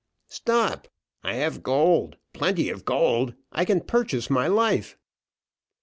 "Stop, I have gold plenty of gold I can purchase my life."